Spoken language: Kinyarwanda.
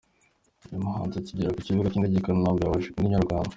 Uyu muhanzi akigera ku kibuga cy’indege i Kanombe yabajijwe na Inyarwanda.